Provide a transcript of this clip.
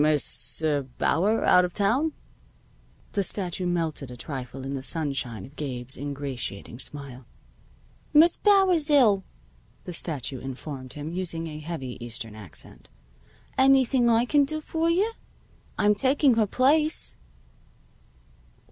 "Miss er Bauer out of town?" The statue melted a trifle in the sunshine of Gabe's ingratiating smile. "Miss Bauer's ill," the statue informed him, using a heavy Eastern accent. "Anything I can do for you? I'm taking her place."